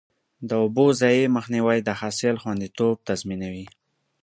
د اوبو ضایع مخنیوی د حاصل خوندیتوب تضمینوي.